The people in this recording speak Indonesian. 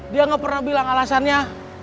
dia gak pernah bilang alasannya